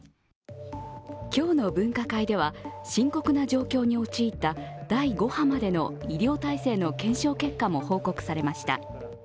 今日の分科会では深刻な状況に陥った第５波までの医療体制の検証結果も報告されました。